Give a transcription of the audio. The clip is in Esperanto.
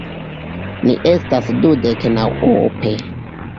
Ni estas dudek naŭope.